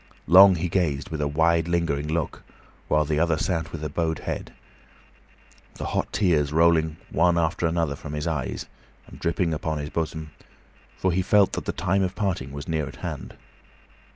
Long he gazed, with a wide, lingering look, while the other sat with bowed head, the hot tears rolling one after another from his eyes, and dripping upon his bosom, for he felt that the time of parting was near at hand.